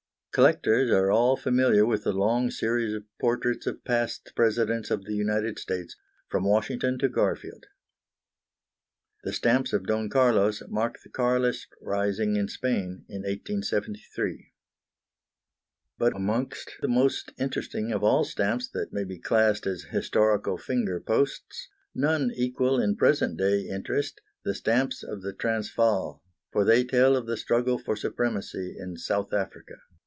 Collectors are all familiar with the long series of portraits of past Presidents of the United States, from Washington to Garfield. The stamps of Don Carlos mark the Carlist rising in Spain in 1873. But amongst the most interesting of all stamps that may be classed as historical finger posts, none equal in present day interest the stamps of the Transvaal, for they tell of the struggle for supremacy in South Africa.